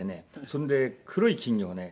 それで黒い金魚をね